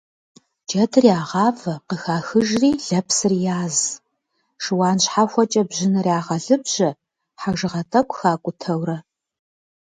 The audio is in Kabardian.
Джэдыр ягъавэ къыхахыжри лэпсыр яз, шыуан щхьэхуэкӀэ бжьыныр ягъэлыбжьэ, хьэжыгъэ тӀэкӀу хакӀутэурэ.